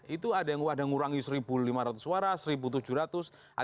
itu ada yang ngurangi satu lima ratus suara